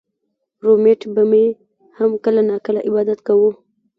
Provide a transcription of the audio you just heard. رومېټ به مې هم کله نا کله عبادت کوو